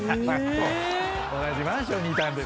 「同じマンションにいたんです」